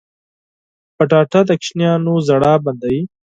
کچالو د ماشومانو ژړا بندوي